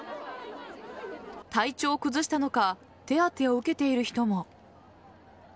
体調を崩したのか手当てを受けている人も。